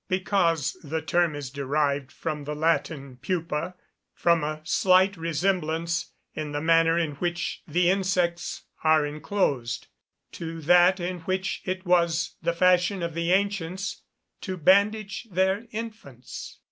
_ Because the term is derived from the Latin pupa, from a slight resemblance in the manner in which the insects are enclosed, to that in which it was the fashion of the ancients to bandage their infants.